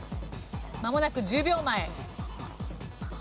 まもなく１０秒前。